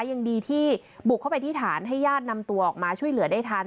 ยังดีที่บุกเข้าไปที่ฐานให้ญาตินำตัวออกมาช่วยเหลือได้ทัน